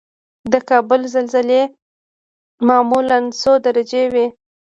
د کابل زلزلې معمولا څو درجې وي؟